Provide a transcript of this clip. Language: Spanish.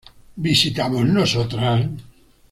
¿Visitamos nosotras?